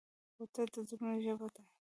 کوتره د زړونو ژبه ده.